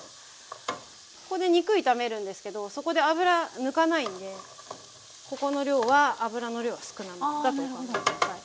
ここで肉炒めるんですけどそこで脂抜かないんでここの量は油の量は少なめだとお考え下さい。